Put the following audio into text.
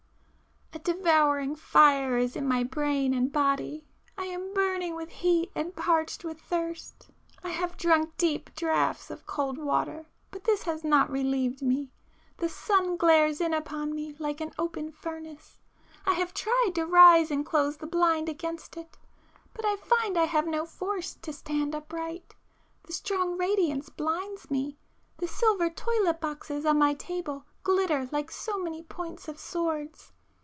····· A devouring fire is in my brain and body,—I am burning with heat and parched with thirst,—I have drunk deep draughts of cold water, but this has not relieved me. The sun glares in upon me like an open furnace,—I have tried to rise and close the blind against it, but find I have no force to stand upright. The strong radiance blinds me:—the silver toilet boxes on my table glitter like so many points of swords.